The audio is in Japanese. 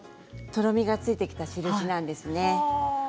とろみがついてきた印なんですね。